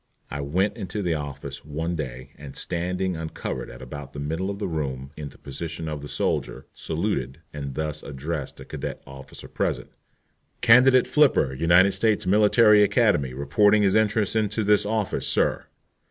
I went into the office one day, and standing uncovered at about the middle of the room, in the position of the soldier, saluted and thus addressed a cadet officer present: "Candidate Flipper, United States Military Academy, reports his entrance into this office, sir."